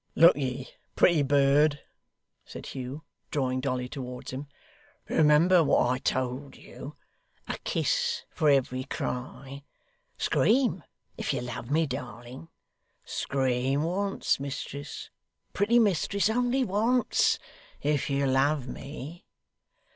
'Look ye, pretty bird,' said Hugh, drawing Dolly towards him. 'Remember what I told you a kiss for every cry. Scream, if you love me, darling. Scream once, mistress. Pretty mistress, only once, if you love me.